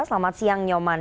selamat siang nyoman